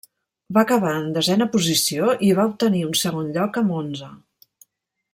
Va acabar en desena posició i va obtenir un segon lloc a Monza.